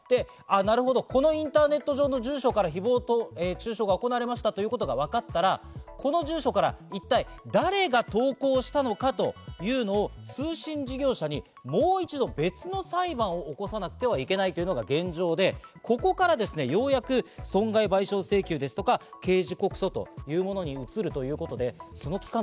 なるほど、このインターネット上の住所から誹謗中傷が行われましたということがわかったら、この住所から一体誰が投稿したのか？というのを通信事業者にもう一度、別の裁判を起こさなくてはいけないというのが現状で、ここからようやく損害賠償請求ですとか、刑事告訴というものに移るということで、その期間